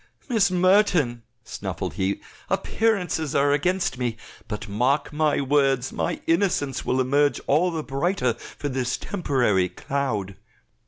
"Miss Merton," snuffled he, "appearances are against me, but mark my words, my innocence will emerge all the brighter for this temporary cloud."